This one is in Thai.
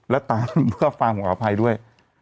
แล้วตามเพื่อฟังผมขออภัยด้วย